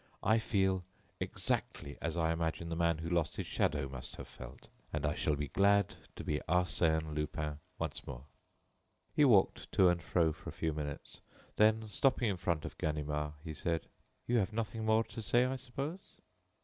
I feel exactly as I imagine the man who lost his shadow must have felt, and I shall be glad to be Arsène Lupin once more." He walked to and fro for a few minutes, then, stopping in front of Ganimard, he said: "You have nothing more to say, I suppose?"